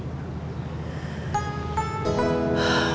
aduh betul kaburah